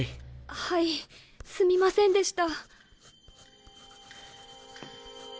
はいすみませんでした。